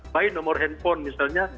baik nomor handphone misalnya